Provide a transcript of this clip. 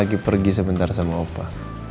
lagi pergi sebentar sama opa